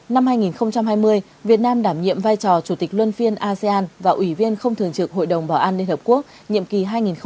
năm hai nghìn hai mươi việt nam đảm nhiệm vai trò chủ tịch luân phiên asean và ủy viên không thường trực hội đồng bảo an liên hợp quốc nhiệm kỳ hai nghìn hai mươi hai nghìn hai mươi một